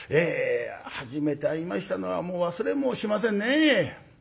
初めて会いましたのはもう忘れもしませんね